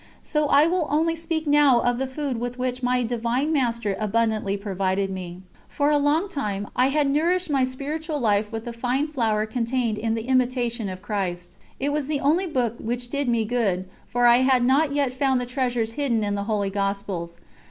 So I will only speak now of the food with which my Divine Master abundantly provided me. For a long time I had nourished my spiritual life with the "fine flour" contained in the Imitation of Christ. It was the only book which did me good, for I had not yet found the treasures hidden in the Holy Gospels.